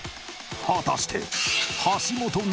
果たして！